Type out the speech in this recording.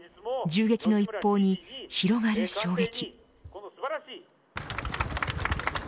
銃撃の一報に、広がる衝撃。